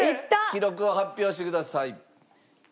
記録を発表してください。